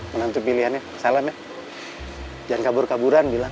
menantu pilihannya salam ya jangan kabur kaburan bilang